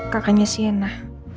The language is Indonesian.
kakaknya si enah